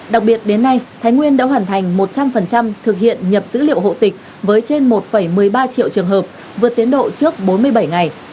đặc biệt đến nay thái nguyên đã hoàn thành một trăm linh thực hiện nhập dữ liệu hộ tịch với trên một một mươi ba triệu trường hợp vượt tiến độ trước bốn mươi bảy ngày